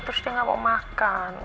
terus dia nggak mau makan